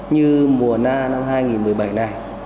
như mùa na năm hai nghìn một mươi bảy này